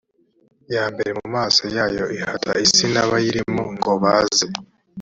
ya mbere mu maso yayo ihata isi n abayirimo ngo baze